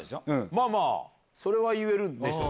まあまあ、それは言えるでしょ。